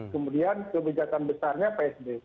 kemudian kebijakan besarnya psb